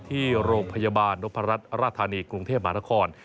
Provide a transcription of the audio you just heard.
ที่โรงพยาบาลนพรัชรธานีกรุงเทพมหานคร